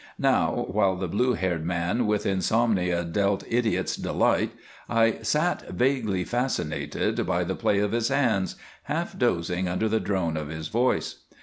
Now, while the blue haired man with insomnia dealt "Idiot's Delight" I sat vaguely fascinated by the play of his hands, half dozing under the drone of his voice.